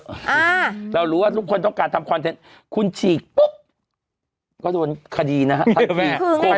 อ่าเรารู้ว่าทุกคนต้องการทำคอนเทนต์คุณฉีกปุ๊บก็โดนคดีนะฮะแม่